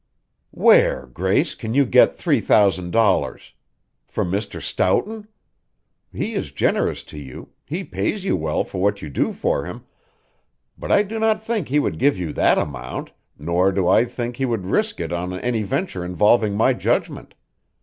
"Where, Grace, can you get three thousand dollars? From Mr. Stoughton? He is generous to you, he pays you well for what you do for him, but I do not think he would give you that amount, nor do I think he would risk it on any venture involving my judgment.